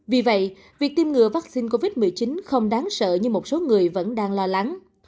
vì vậy việc tiêm ngừa vaccine covid một mươi chín không đáng sợ như một số người vẫn đang lo lắng